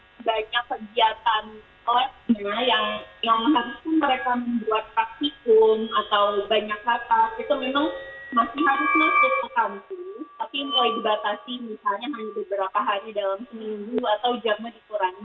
tapi mulai dibatasi misalnya hanya beberapa hari dalam seminggu atau jamnya dikurangi